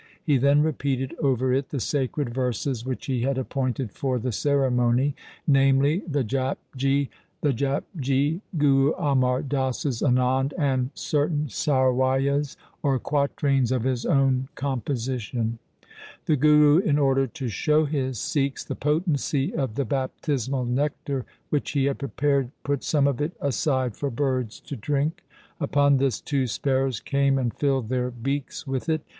He then repeated over it the sacred verses which he had appointed for the ceremony, namely, the Japji, the Japji, 1 Guru Amar Das's Anand, and certain Sawai yas or quatrains of his own composition. The Guru in order to show his Sikhs the potency of the baptismal nectar which he had prepared put some of it aside for birds to drink. Upon this two sparrows came and filled their beaks with it.